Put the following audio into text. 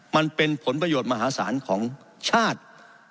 มันเป็นผลประโยชน์มหาศาลของชาติ